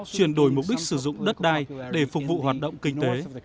chuyển đổi mục đích sử dụng đất đai để phục vụ hoạt động kinh tế